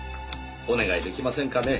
お願い出来ませんかね？